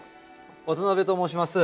渡辺と申します。